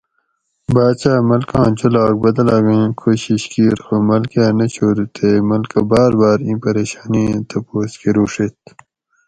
باچہ ملکہ جولاگ بدلاگاں کوشش کیر خو ملکہ نہ چھورو تے ملکہ بار بار ایں پریشانی تپوس کروڛیت